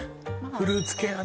フルーツ系はね